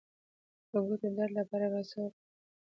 د ګوتو د درد لپاره باید څه وکړم؟